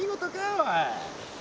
おい。